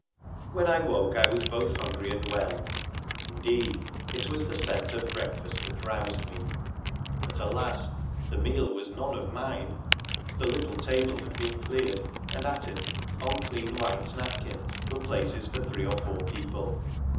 When I woke I was both hungry and well. Indeed, it was the scent of breakfast that roused me. But, alas ! the meal PHRA THE PHCENICIAN 69 was none of mine. The little table had been cleared, and at it, on clean white napkins, were places for three or four people.